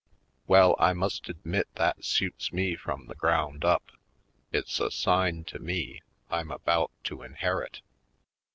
Well, I must admit that suits me from the ground up; it's a sign to me I'm about to inherit.